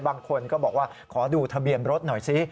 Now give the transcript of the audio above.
บางคนก็บอกว่าขอดูทะเบียนรถหน่อยซิ